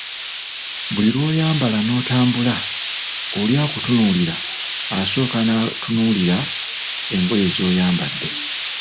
Buli lwoyambala notambula, oli akutunuulira, asooka natunuulira engoye zoyambadde.